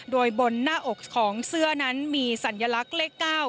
โดยบนหน้าอกของเสื้อนั้นมีสัญลักษณ์เลข๙